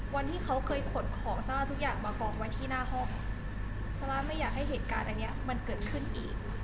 วันที่เขาเคยขนของซาร่าทุกอย่างมากองไว้ที่หน้าห้องซาร่าไม่อยากให้เหตุการณ์อันเนี้ยมันเกิดขึ้นอีก